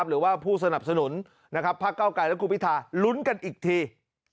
หรือว่าผู้สนับสนุนพักเก้าไกรและคุณพิธาลุ้นกันอีกที